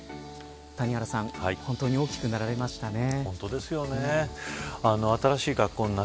本当に大きくなられましたね。